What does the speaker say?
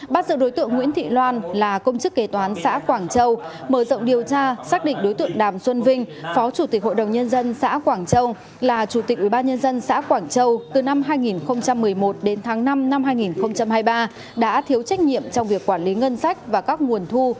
bắt giữ đối tượng nguyễn thị loan là công chức kế toán xã quảng châu mở rộng điều tra xác định đối tượng đàm xuân vinh phó chủ tịch hội đồng nhân dân xã quảng châu là chủ tịch ubnd xã quảng châu từ năm hai nghìn một mươi một đến tháng năm năm hai nghìn hai mươi ba đã thiếu trách nhiệm trong việc quản lý ngân sách và các nguồn thu